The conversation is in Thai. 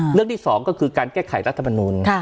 เรื่องที่สองก็คือการแก้ไขรัฐบาลนูน